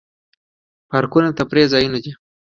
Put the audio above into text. پارکونه د تفریح ځایونه دي